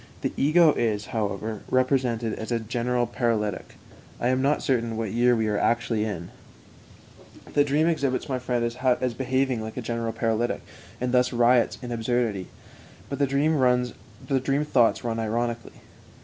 The ego is, however, represented as a general paralytic ("I am not certain what year we are actually in"). The dream exhibits my friend as behaving like a general paralytic, and thus riots in absurdity. But the dream thoughts run ironically.